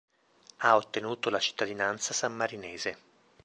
Ha ottenuto la cittadinanza sammarinese.